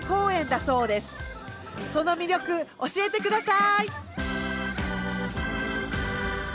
その魅力教えてください！